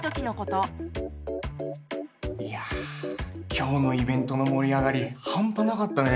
いやぁ今日のイベントの盛り上がりハンパなかったね！